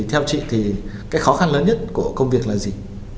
theo chị thì cái khó khăn lớn nhất của công việc là gì